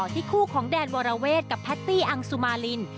ที่คู่ของแดนวรเวทกับแพตตี้อังสุมาริน